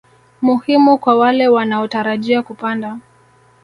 muhimu kwa wale wanaotarajia kupanda